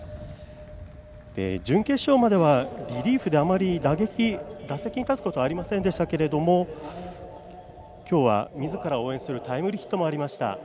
準決勝まではリリーフであまり打席に立つことがありませんでしたけれどもきょうは、みずからを応援するタイムリーヒットもありました。